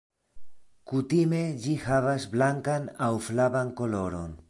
Kutime ĝi havas blankan aŭ flavan koloron.